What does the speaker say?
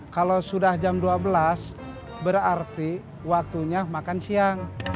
kalau sudah jam dua belas berarti waktunya makan siang